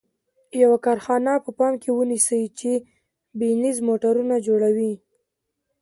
یوه کارخانه په پام کې ونیسئ چې بینز موټرونه جوړوي.